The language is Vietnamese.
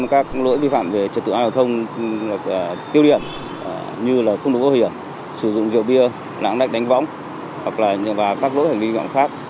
các lỗi vi phạm về trật tựa giao thông tiêu điện như không đổi mũ bảo hiểm sử dụng rượu bia lãng đạch đánh võng hoặc là các lỗi hành vi vi phạm khác